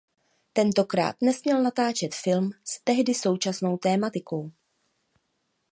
Tentokrát nesměl natáčet filmy s tehdy současnou tematikou.